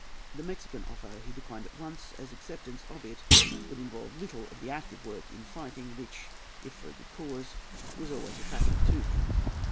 The Mexican offer he declined at once, as acceptance of it would involve little of the active work in fighting which, if for a good cause, was always attractive to him.